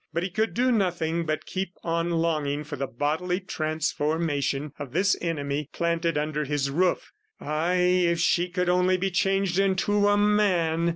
But he could do nothing but keep on longing for the bodily transformation of this enemy planted under his roof. Ay, if she could only be changed into a man!